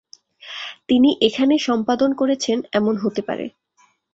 তিনি এখানে সম্পাদন করেছেন এমন হতে পারে।